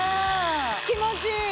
気持ちいい！